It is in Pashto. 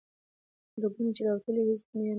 رګونه چې راوتلي وو هیڅ یې نه لرل.